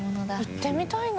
行ってみたいな。